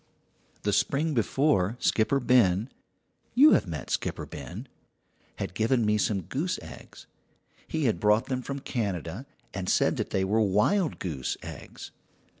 "The spring before Skipper Ben you have met Skipper Ben had given me some goose eggs; he had brought them from Canada, and said that they were wild goose eggs.